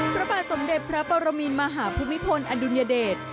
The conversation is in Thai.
พระบาทสมเด็จพระปรมินมหาภูมิพลอดุลยเดช